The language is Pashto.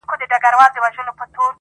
تاج پر سر څپلۍ په پښو توره تر ملاوه .!